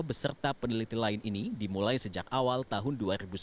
beserta peneliti lain ini dimulai sejak awal tahun dua ribu sembilan belas